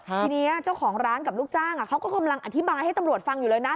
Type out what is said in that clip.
ทีนี้เจ้าของร้านกับลูกจ้างเขาก็กำลังอธิบายให้ตำรวจฟังอยู่เลยนะ